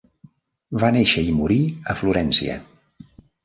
Va néixer i morir a Florència.